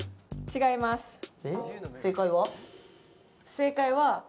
正解は？